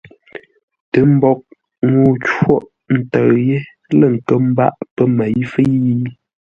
Tə mboʼ ŋuu côghʼ ntə̂ʉ yé lə̂ nkə́ mbâʼ pə́ měi fə́i?